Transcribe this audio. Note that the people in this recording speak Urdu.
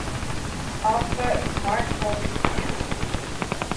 آپ کا سمارٹ فون